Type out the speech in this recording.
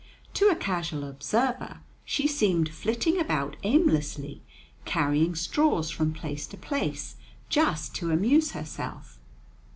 To a casual observer, she seemed flitting about aimlessly, carrying straws from place to place just to amuse herself.